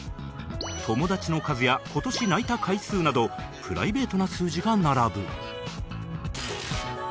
友達の数や今年泣いた回数などプライベートな数字が並ぶ